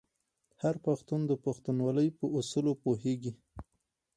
هر پښتون د پښتونولۍ په اصولو پوهیږي.